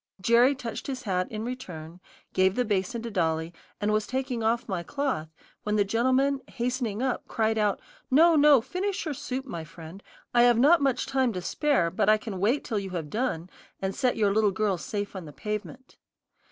Jerry touched his hat in return, gave the basin to Dolly, and was taking off my cloth, when the gentleman, hastening up, cried out, "No, no, finish your soup, my friend; I have not much time to spare, but I can wait till you have done, and set your little girl safe on the pavement."